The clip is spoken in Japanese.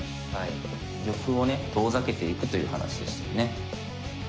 玉をね遠ざけていくという話でしたよね。